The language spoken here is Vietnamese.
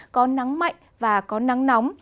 có nắng mạnh và có nắng nóng